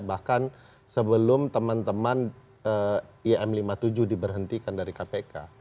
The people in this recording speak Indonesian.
bahkan sebelum teman teman im lima puluh tujuh diberhentikan dari kpk